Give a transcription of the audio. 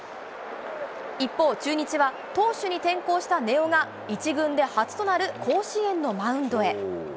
一方、中日は投手に転向した根尾が、１軍で初となる甲子園のマウンドへ。